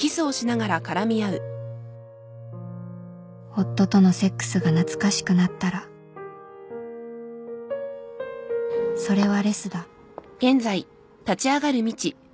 夫とのセックスが懐かしくなったらそれはレスだ